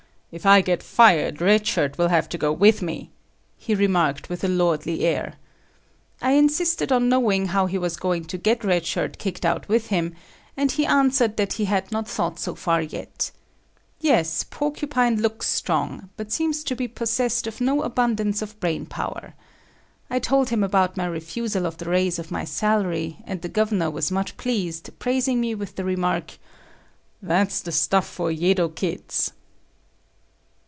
If I get fired, Red Shirt will have to go with me," he remarked with a lordly air. I insisted on knowing how he was going to get Red Shirt kicked out with him, and he answered that he had not thought so far yet. Yes, Porcupine looks strong, but seems to be possessed of no abundance of brain power. I told him about my refusal of the raise of my salary, and the Gov'nur was much pleased, praising me with the remark, "That's the stuff for Yedo kids."